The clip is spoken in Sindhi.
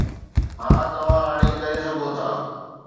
ها، توهان هاڻي ڪري سگهو ٿا